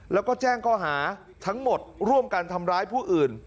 แล้วก็แจ้งข้อหาทั้งหมดร่วมกันทำร้ายผู้อื่น